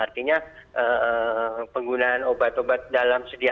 artinya penggunaan obat obat dalam sedianya